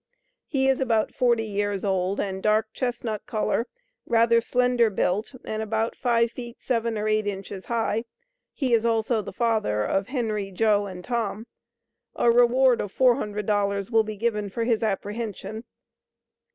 he is about 40 years old and dark chesnut coller rather slender built and about five feet seven or eight inches high, he is also the Father of Henry, Joe and Tom. A reward of $400. will be given for his apprehension.